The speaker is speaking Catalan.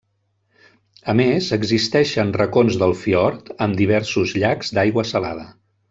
A més, existeixen racons del fiord amb diversos llacs d'aigua salada.